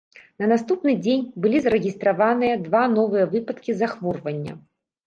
На наступны дзень былі зарэгістраваныя два новыя выпадкі захворвання.